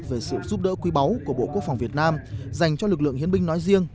về sự giúp đỡ quý báu của bộ quốc phòng việt nam dành cho lực lượng hiến binh nói riêng